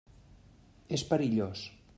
És perillós.